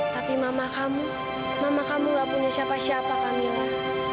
tapi mama kamu mama kamu gak punya siapa siapa kaminya